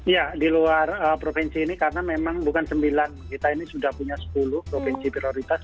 ya di luar provinsi ini karena memang bukan sembilan kita ini sudah punya sepuluh provinsi prioritas